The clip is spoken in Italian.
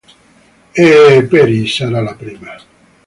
E Peri sarà la prima...